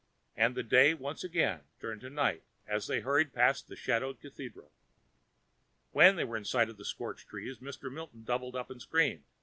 And the day once again turned to night as they hurried past a shadowed cathedral. When they were in sight of the scorched trees, Mr. Milton doubled up and screamed.